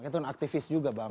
itu aktifis juga bang